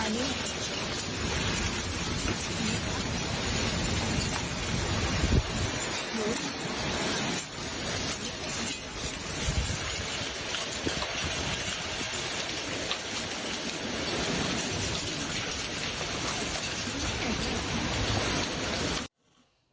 จะจริงนะครับ